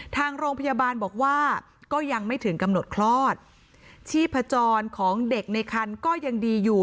ทางโรงพยาบาลบอกว่าก็ยังไม่ถึงกำหนดคลอดชีพจรของเด็กในคันก็ยังดีอยู่